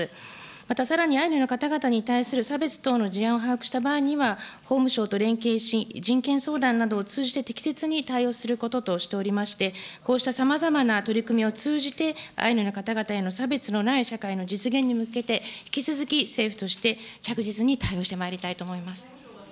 またさらにアイヌの方々に対する差別等の事案を把握した場合には、法務省と連携し、人権相談などを通じて適切に対応することとしておりまして、こうしたさまざまな取り組みを通じて、アイヌの方々への差別のない社会の実現に向けて、引き続き政府として、着実に対応してまいりたいと思います。